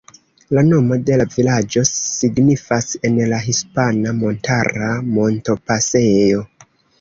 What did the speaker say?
La nomo de la vilaĝo signifas en la hispana "Montara Montopasejo".